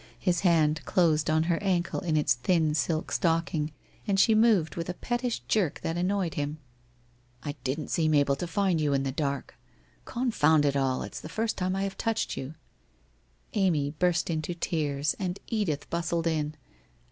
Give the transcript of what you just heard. His hand closed on her ankle in its thin silk stocking, and she moved with a pettish jerk that annoyed him. ' I didn't seem able to find you in the dark ?... Confound it all, it's the first time I have touched you !' Amy burst into tears and Edith bustled in.